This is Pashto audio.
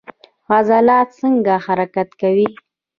عضلات څنګه حرکت کوي؟